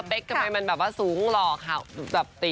ปะลิ้นยังไง